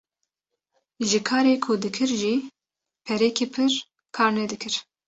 Ji karê ku dikir jî perekî pir kar nedikir